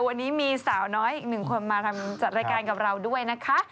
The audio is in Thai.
วันนี้มีสาวน้อยอีกหนึ่งคนมาทำจัดรายการกับเราด้วยนะคะ